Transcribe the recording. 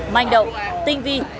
manh động tinh vi